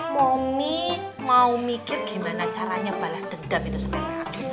momi mau mikir gimana caranya bales dedam itu sebenarnya